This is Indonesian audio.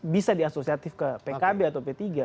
bisa di asosiatif ke pkb atau p tiga